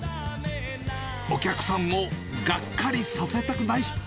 お客さんをがっかりさせたくない。